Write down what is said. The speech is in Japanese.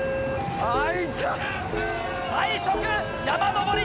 最速山登り